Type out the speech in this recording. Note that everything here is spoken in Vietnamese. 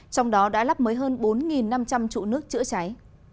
trong đó đã lắp mới hơn bốn năm trăm linh trụ nước chữa cháy